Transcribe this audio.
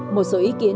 một số ý kiến